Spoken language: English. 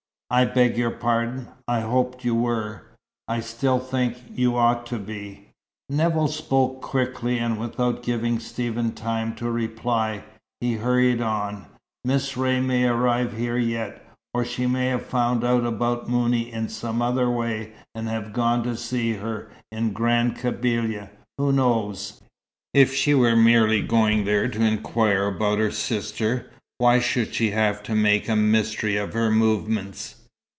"I beg your pardon. I hoped you were. I still think you ought to be." Nevill spoke quickly, and without giving Stephen time to reply, he hurried on; "Miss Ray may arrive here yet. Or she may have found out about Mouni in some other way, and have gone to see her in Grand Kabylia who knows?" "If she were merely going there to inquire about her sister, why should she have to make a mystery of her movements?"